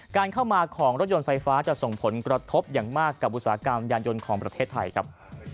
การเข้ามาของรถยนต์ไฟฟ้าจะส่งผลกระทบอย่างมากกับอุตสาหกรรมยานยนต์ของประเทศไทยครับ